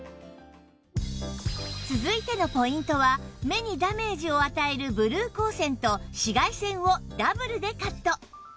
続いてのポイントは目にダメージを与えるブルー光線と紫外線をダブルでカット！